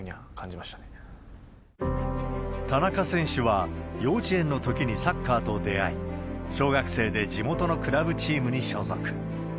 ま田中選手は幼稚園のときにサッカーと出会い、小学生で地元のクラブチームに所属。